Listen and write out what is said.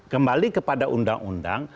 kembali kepada undang undang